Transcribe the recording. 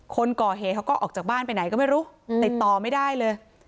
คนก่อเหตุเขาก็ออกจากบ้านไปไหนก็ไม่รู้ติดต่อไม่ได้เลย